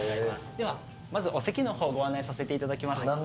ではまずお席の方ご案内させていただきます。